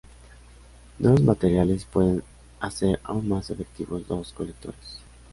Nuevos materiales pueden hacer aún más efectivos los colectores.